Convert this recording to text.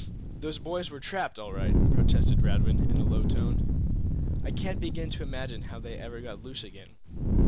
"Those boys were trapped, all right," protested Radwin, in a low tone. "I can't begin to imagine how they ever got loose again."